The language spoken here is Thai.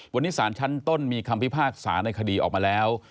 วันนี้สารชั้นต้นมีคำพิพากษาในคดีออกมาแล้ว